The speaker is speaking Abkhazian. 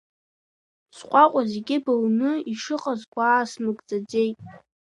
Сҟәаҟәа зегьы былны ишыҟаз гәаасмыгӡаӡеит.